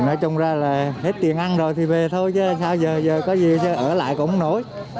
nói chung ra là hết tiền ăn rồi thì về thôi chứ sao giờ có gì ở lại cũng nổi